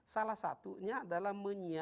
salah satunya adalah